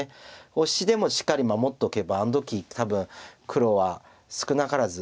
オシでもしっかり守っておけばあの時って多分黒は少なからず。